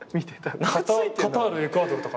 カタールエクアドルとか。